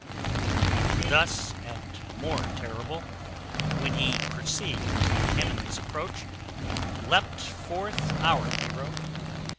Thus, and more terrible, when he perceived the enemy's approach, leaped forth our heroe.